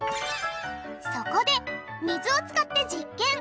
そこで水を使って実験！